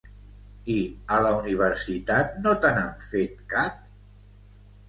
I a la universitat no te n'han fet cap?